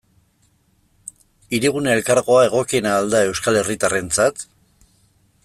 Hirigune Elkargoa egokiena al da euskal herritarrentzat?